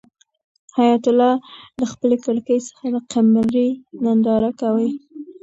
حیات الله له خپلې کړکۍ څخه د قمرۍ ننداره کوي.